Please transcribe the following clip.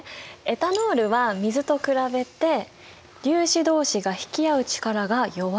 エタノールは水と比べて粒子どうしが引き合う力が弱いんだ。